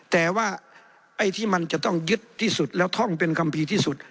แต่ว่าไอ้ที่มันจะต้องยึดที่สุดแล้วท่องเป็นคัมภีร์ที่สุด